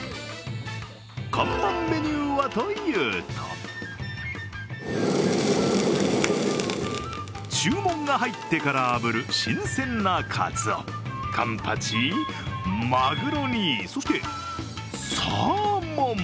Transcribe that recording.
看板メニューはというと注文が入ってから炙る新鮮なかつおカンパチ、まぐろに、そしてサーモン。